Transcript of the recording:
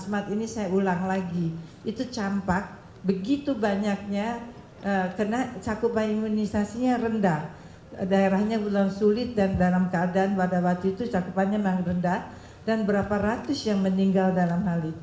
menjadi pemicu indonesia darurat campak rubella